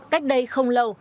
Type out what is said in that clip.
cách đây không lâu